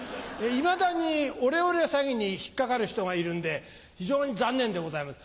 いまだにオレオレ詐欺に引っ掛かる人がいるんで非常に残念でございます。